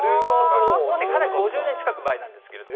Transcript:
かなり５０年近く前なんですけれども。